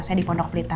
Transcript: saya di pondok pelita